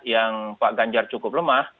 yang pak ganjar cukup lemah